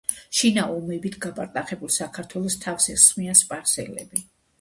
შინა ომებით გაპარტახებულ საქართველოს თავს ესხმიან სპარსელები.